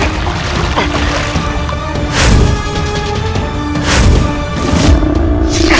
yaudah aku tunggu disana ya